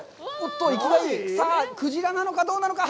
さあ、鯨なのかどうなのか。